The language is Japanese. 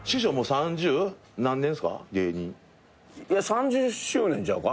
３０周年ちゃうか。